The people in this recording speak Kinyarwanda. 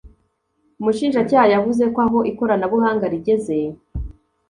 Umushinjacyaha yavuze ko aho ikoranabuhanga rigeze